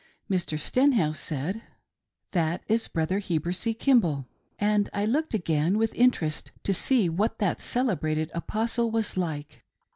Mr. Stenhouse said : "that is Brother Heber C. Kimball;" and I looked agam with interest; to see what that celebrated Apostle was like.